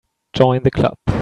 Join the Club.